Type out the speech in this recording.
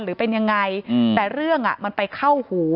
หรือเป็นยังไงแต่เรื่องอ่ะมันไปเข้าหู